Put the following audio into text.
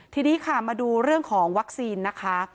ทีนี้ค่ะมาดูเรื่องของวัคซีนนะคะ